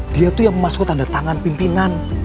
dia tuh yang memasukkan tanda tangan pimpinan